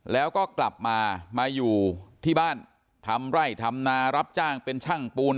แล้วก็กลับมามาอยู่ที่บ้านทำไร่ทำนารับจ้างเป็นช่างปูน